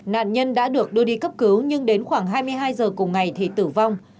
nạn nhân đã được đưa đi cấp cứu nhưng đến khoảng hai mươi hai h cùng ngày thì tử vong